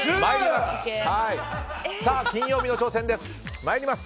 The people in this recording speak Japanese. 金曜日の挑戦、参ります。